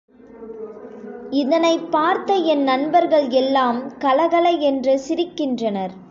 இதனைப் பார்த்த என் நண்பர்கள் எல்லாம் கலகல என்று சிரிக்கின்றனர்.